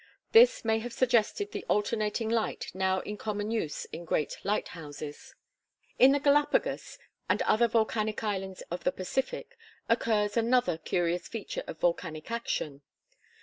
This may have suggested the alternating light now in common use in great light houses. In the Galapagos, and other volcanic islands of the Pacific, occurs another curious feature of volcanic action.